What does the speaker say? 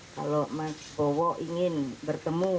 kalau mas bowo ingin bertemu